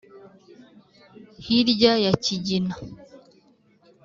hirya ya kigina